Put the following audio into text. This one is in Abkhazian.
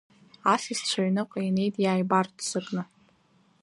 Асасцәа аҩныҟа инеит иааибарццакны.